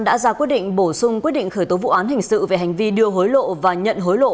đã ra quyết định bổ sung quyết định khởi tố vụ án